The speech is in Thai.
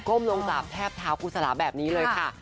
้มลงกราบแทบเท้าครูสลาแบบนี้เลยค่ะ